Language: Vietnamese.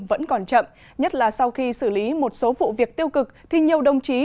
vẫn còn chậm nhất là sau khi xử lý một số vụ việc tiêu cực thì nhiều đồng chí